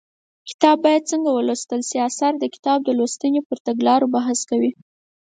کتاب باید څنګه ولوستل شي اثر د کتاب لوستنې پر تګلارو بحث کوي